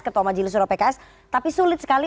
ketua majelis suro pks tapi sulit sekali